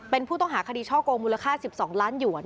เป็นผู้ต้องหาคดีช่อโกงมูลค่า๑๒ล้านหยวน